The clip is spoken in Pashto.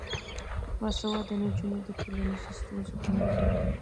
باسواده نجونې د ټولنیزو ستونزو حل لټوي.